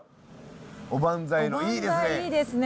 おばんざいのいいですね！